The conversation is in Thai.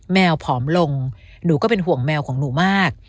แมวผอมลงหนูก็เป็นห่วงแมวของหนูมาก